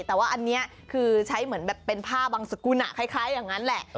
แต่ว่าอันนี้คือใช้เหมือนแบบเป็นผ้าบางสกุลคล้ายอย่างนั้นแหละ